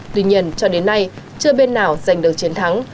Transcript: tuy nhiên cho đến nay chưa bên nào giành được chiến thắng